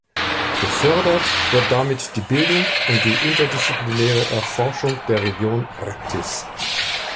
Gefördert wird damit die Bildung und die interdisziplinäre Erforschung der Region Arktis.